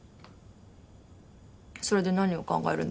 それで何を考えるんですか？